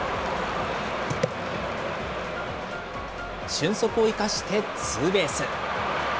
俊足を生かしてツーベース。